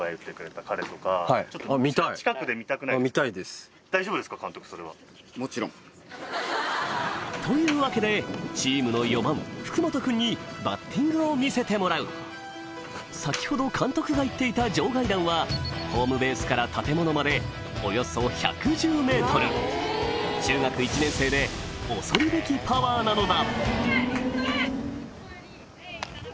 見たいです。というわけでチームの４番福本くんにバッティングを見せてもらう先ほど監督が言っていた場外弾はホームベースから建物まで中学１年生でなのだ！